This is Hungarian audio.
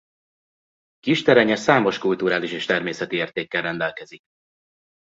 Kisterenye számos kulturális és természeti értékkel rendelkezik.